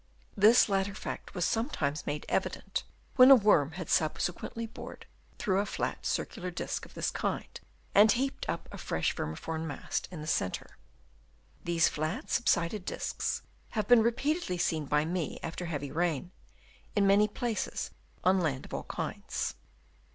This latter fact was sometimes made evident, when a worm had subsequently bored through a flat circular disc of this kind, and heaped up a fresh vermiform mass in the centre. These flat subsided discs have been repeatedly seen by Chap. VI. AIDED BY WORMS. 265 me after heavy rain, in many places on land of all kinds.